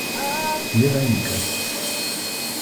Вероника